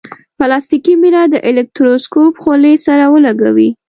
پلاستیکي میله د الکتروسکوپ خولې سره ولګوئ.